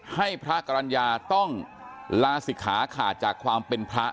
ให้พระกรรณญาต้องลาศิกขาขาดจากความเป็นพระ